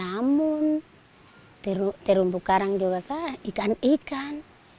namun terumbu karang juga kan ikan ikan